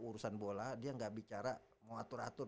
urusan bola dia gak bicara mau atur atur